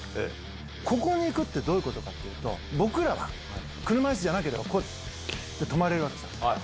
ここに行くって、どういうことかっていうと、僕らは車いすじゃなければ、こうやって、止まれるわけじゃないですか。